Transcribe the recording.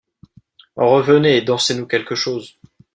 Revenez, et dansez-nous quelque chose.